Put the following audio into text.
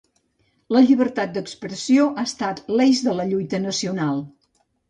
La llibertat d'expressió ha estat l'eix de la lluita nacional.